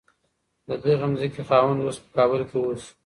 د دغې مځکي خاوند اوس په کابل کي اوسي.